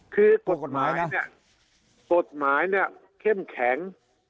คือกฎหมายเนี่ยเข้มแข็ง